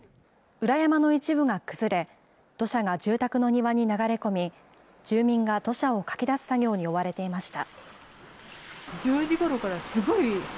裏山の一部が崩れ、土砂が住宅の庭に流れ込み、住民が土砂をかき出す作業に追われていました。